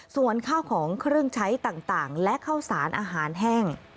ส่วนข้าวของเครื่องใช้ต่างและข้าวสารอาหารแห้ง